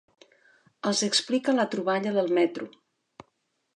Els explica la troballa del metro.